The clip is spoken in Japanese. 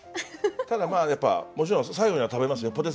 ただやっぱもちろん最後には食べますよ。